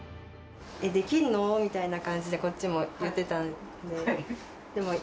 できるの？みたいな感じで、こっちも言ってた。